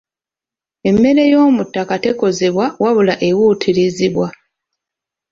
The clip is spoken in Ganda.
Emmere y'omu ttaka tekozebwa wabula ewuutirizibwa.